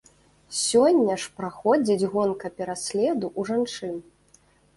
Сёння ж праходзіць гонка пераследу ў жанчын.